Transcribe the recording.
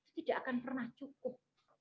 itu tidak akan pernah cukup